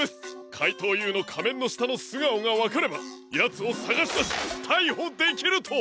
かいとうＵのかめんのしたのすがおがわかればヤツをさがしだしたいほできると！